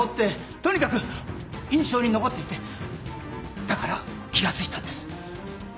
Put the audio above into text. とにかく印象に残っていてだから気が付いたんです。